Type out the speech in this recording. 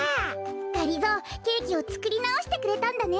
がりぞーケーキをつくりなおしてくれたんだね！